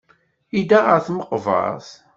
Yedda ɣer tmeqbert.